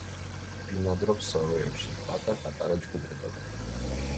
ბინადრობს სოროებში პატარ-პატარა ჯგუფებად.